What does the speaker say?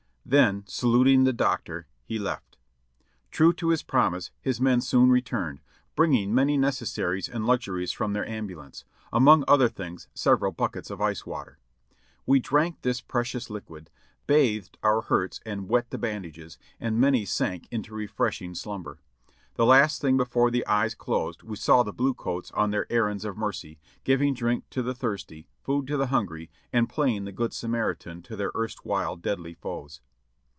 Then saluting the doctor he left. True to his promise, his men soon returned, bringing many necessaries and luxuries from their ambulance ; among other things several buckets of ice water. We drank this precious liquid, bathed our hurts and wet the bandages, and many sank into refreshing slumber. The last thing before the eyes closed we saw the blue coats on their errands of mercy, giving drink to the thirsty, food to the hungry, and playing the good Samaritan to their erstwhile deadly foes.